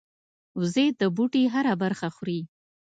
وزې د بوټي هره برخه خوري